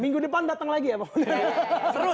minggu depan datang lagi ya pak